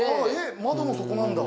窓のそこなんだ。